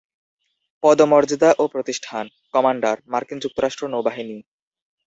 পদমর্যাদা ও প্রতিষ্ঠান: কমান্ডার, মার্কিন যুক্তরাষ্ট্র নৌবাহিনী।